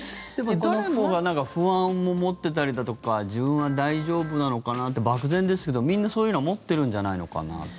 誰もが不安も持ってたりだとか自分は大丈夫なのかなって漠然ですけどみんなそういうの持ってるんじゃないのかなって。